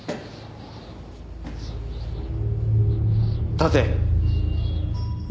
立て。